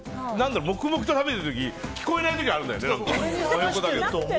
黙々と食べてる時聞こえない時あるんだよね。